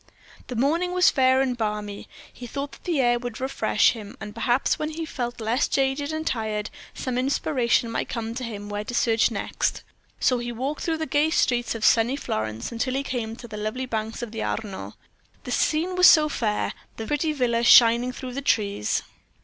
The morning was fair and balmy; he thought that the air would refresh him, and perhaps when he felt less jaded and tired, some inspiration might come to him where to search next; so he walked through the gay streets of sunny Florence until he came to the lovely banks of the Arno. The scene was so fair the pretty villas shining through the trees.